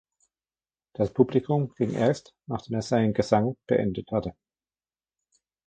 Das Publikum ging erst, nachdem er seinen Gesang beendet hatte.